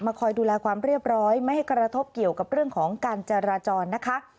คอยดูแลความเรียบร้อยไม่ให้กระทบเกี่ยวกับเรื่องของการจราจรนะคะ